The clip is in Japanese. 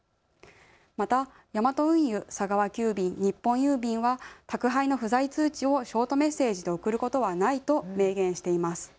またヤマト運輸、佐川急便、日本郵便は宅配の不在通知をショートメッセージで送ることはないと明言しています。